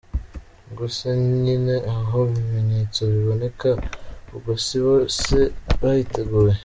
Ubwo se nyine, aho ibimenyetso biboneka, ubwo sibo se bayiteguye?